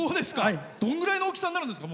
どのぐらいの大きさになるんですか。